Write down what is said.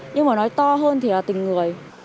nhưng mà nói to hơn thì là tình người